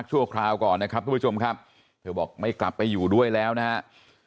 คราวก่อนนะครับทุกผู้ชมครับเธอบอกไม่กลับไปอยู่ด้วยแล้วนะครับ